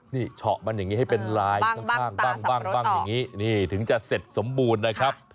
นี่เฉาะมันอย่างนี้ให้เป็นลายข้างบ้างอย่างนี้นี่ถึงจะเสร็จสมบูรณ์นะครับ